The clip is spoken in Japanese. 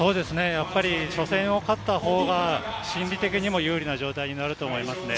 初戦を勝ったほうが心理的にも有利な状況になると思いますね。